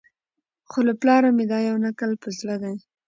خو له پلاره مي دا یو نکل په زړه دی